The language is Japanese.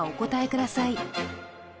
ください